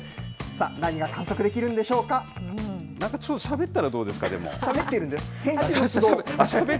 さあ、何が観測できるんでしょうなんかちょっと、しゃべったしゃべっているんです。